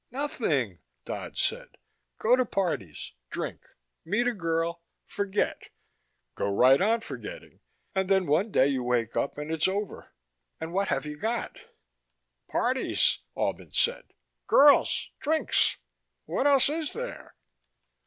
"Nothing," Dodd said. "Go to parties, drink, meet a girl, forget, go right on forgetting, and then one day you wake up and it's over and what have you got?" "Parties," Albin said. "Girls. Drinks. What else is there?"